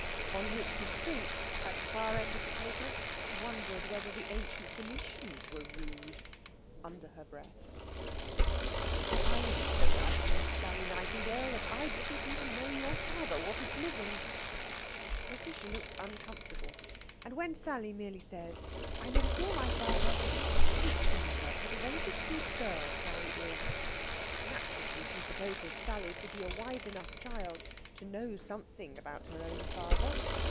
On which the Sphinx, at the far end of the table, wondered whether the ancient Phoenicians were rude, under her breath. "I'm so absent, Sally Nightingale, that I didn't even know your father wasn't living." Lætitia looks uncomfortable, and when Sally merely says, "I never saw my father," thinks to herself what a very discreet girl Sally is. Naturally she supposes Sally to be a wise enough child to know something about her own father.